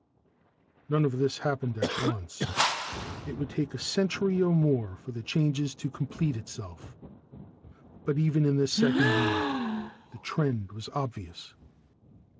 None of this happened at once. It would take a century or more for the change to complete itself. But even in the second year, the trend was obvious.